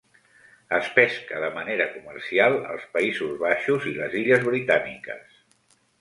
Es pesca de manera comercial als Països Baixos i les Illes Britàniques.